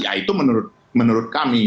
nah itu menurut kami